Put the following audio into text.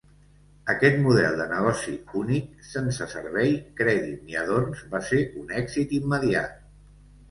Aquest model de negoci únic, sense servei, crèdit ni adorns va ser un èxit immediat.